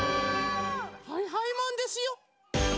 はいはいマンですよ！